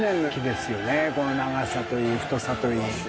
この長さといい太さといい。